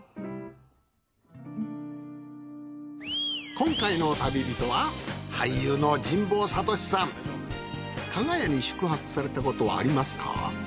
今回の旅人は俳優の加賀屋に宿泊されたことはありますか？